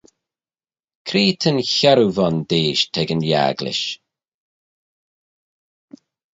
Cre ta'n chiarroo vondeish t'ec yn agglish?